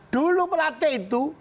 dulu pelatih itu